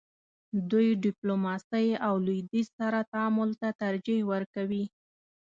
دوی ډیپلوماسۍ او لویدیځ سره تعامل ته ترجیح ورکوي.